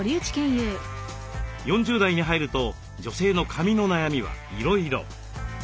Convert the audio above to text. ４０代に入ると女性の髪の悩みはいろいろ。